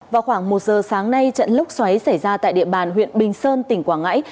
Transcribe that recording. vào khoảng một giờ sáng nay trận lốc xoáy xảy ra tại địa bàn huyện bình sơn tỉnh quảng ngãi